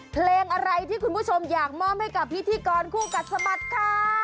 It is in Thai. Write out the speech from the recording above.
เพลงอะไรที่คุณผู้ชมอยากมอบให้กับพิธีกรคู่กัดสะบัดค่ะ